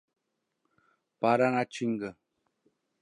Paranatinga